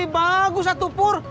bagus satu pur